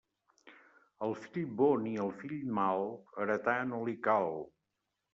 Al fill bo ni al fill mal, heretar no li cal.